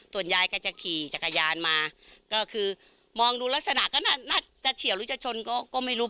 ส่วนยายก็จะขี่จักรยานมาก็คือมองดูลักษณะก็น่าจะเฉียวหรือจะชนก็ไม่รู้